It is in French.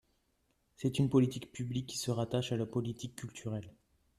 C’est une politique publique, qui se rattache à la politique culturelle.